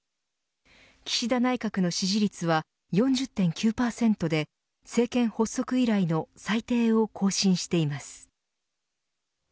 岸田内閣の支持率は４０．９％で政権発足以来の最低を更新しています。